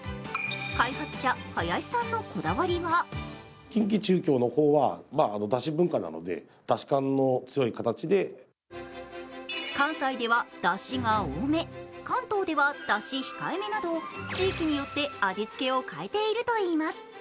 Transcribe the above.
開発者・林さんのこだわりは関西では、だしが多め、関東ではだし控えめなど、地域によって味付けを変えているといいます。